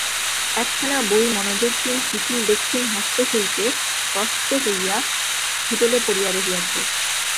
একখানা বই মনোযোগহীন শিথিল দক্ষিণ হস্ত হইতে স্রস্ত হইয়া ভূতলে পড়িয়া রহিয়াছে।